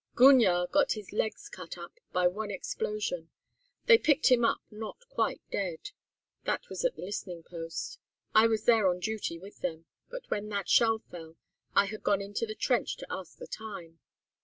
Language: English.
Gougnard got his legs cut up by one explosion. They picked him up not quite dead. That was at the listening post. I was there on duty with them. But when that shell fell I had gone into the trench to ask the time.